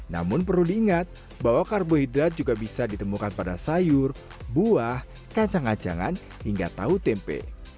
namun perlu diingat bahwa karbohidrat juga bisa ditemukan pada sayur buah kacang kacangan hingga tahu tempe